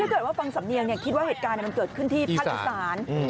ถ้าเกิดว่าฟังสำเนียงคิดว่าเหตุการณ์มันเกิดขึ้นที่ภาคอีสาน